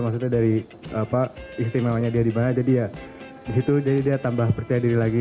maksudnya dari istimewanya dia di mana jadi ya disitu jadi dia tambah percaya diri lagi